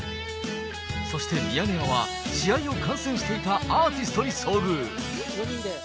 そしてミヤネ屋は、試合を観戦していたアーティストに遭遇。